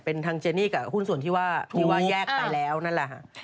เป็นทางเจนี่กับหุ้นส่วนที่ว่าที่ว่าแยกไปแล้วนั่นแหละฮะ